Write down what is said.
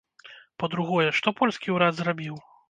Па-другое, што польскі ўрад зрабіў?